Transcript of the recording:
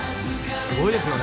すごいですよね。